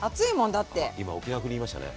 あっ今沖縄風に言いましたね？